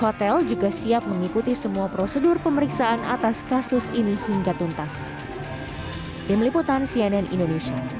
hotel juga siap mengikuti semua prosedur pemeriksaan atas kasus ini hingga tuntas tim liputan cnn indonesia